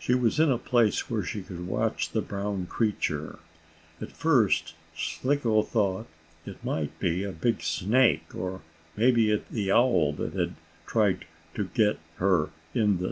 She was in a place where she could watch the brown creature. At first Slicko thought it might be a big snake, or maybe the owl that had tried to get her in the night.